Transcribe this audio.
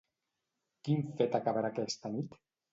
Quin fet acabarà aquesta nit?